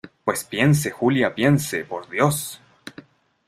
pues piense, Julia , piense , por Dios.